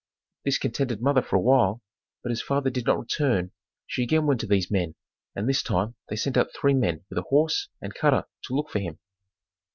This contented mother for awhile, but as father did not return she again went to these men and this time they sent out three men with a horse and cutter to look for him.